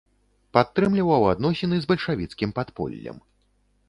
Падтрымліваў адносіны з бальшавіцкім падполлем.